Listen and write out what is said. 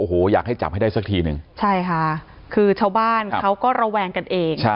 โอ้โหอยากให้จับให้ได้สักทีหนึ่งใช่ค่ะคือชาวบ้านเขาก็ระแวงกันเอง